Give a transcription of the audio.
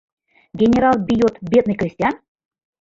— Генерал бийот бедный крестьян?